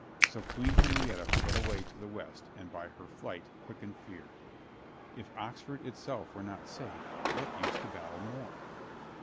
So Queen Henrietta fled away to the west and by her flight quickened fear. If Ox ford itself were not safe, what use to battle more